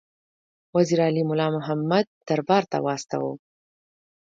وزیر علي مُلا محمد دربار ته واستاوه.